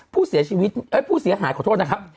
ผู้เสียหายผู้เสียหายขอโทษนะครับ